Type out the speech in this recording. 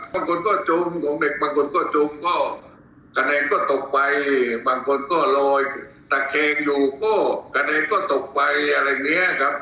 บางคนก็จมของเด็กบางคนก็จมก็คะแนนก็ตกไปบางคนก็ลอยตะเคงอยู่ก็คะแนนก็ตกไปอะไรอย่างนี้ครับ